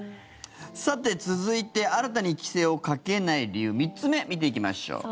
さて、続いて新たに規制をかけない理由３つ目、見ていきましょう。